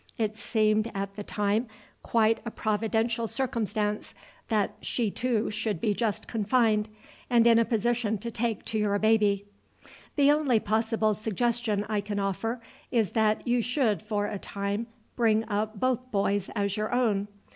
It seemed at the time quite a providential circumstance that she too should be just confined, and in a position to take to your baby. The only possible suggestion I can offer is that you should for a time bring up both boys as your own.